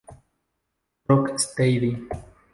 Rock Steady".